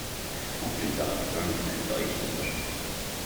Auf dem Dach prangt ein leuchtender Stern.